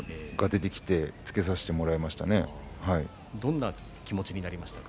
出してきてつけさせてもらいました。